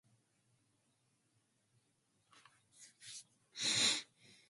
Between them lies The Ouse Wash.